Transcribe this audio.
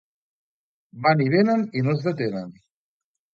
Van i venen i no es detenen.